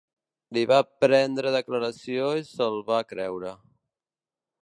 Li va prendre declaració i se’l va creure.